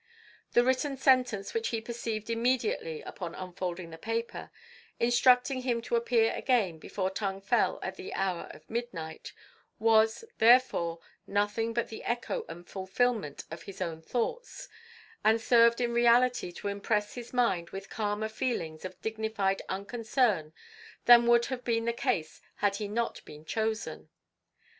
The written sentence which he perceived immediately upon unfolding the paper, instructing him to appear again before Tung Fel at the hour of midnight, was, therefore, nothing but the echo and fulfilment of his own thoughts, and served in reality to impress his mind with calmer feelings of dignified unconcern than would have been the case had he not been chosen.